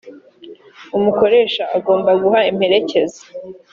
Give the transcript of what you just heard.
umukoresha agomba guha impererekeza